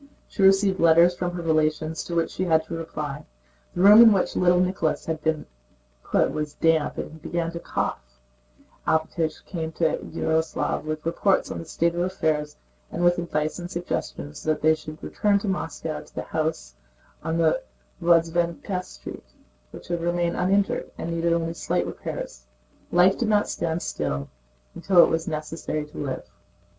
She received letters from her relations to which she had to reply; the room in which little Nicholas had been put was damp and he began to cough; Alpátych came to Yaroslávl with reports on the state of their affairs and with advice and suggestions that they should return to Moscow to the house on the Vozdvízhenka Street, which had remained uninjured and needed only slight repairs. Life did not stand still and it was necessary to live.